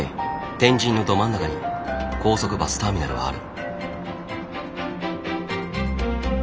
天神のど真ん中に高速バスターミナルはある。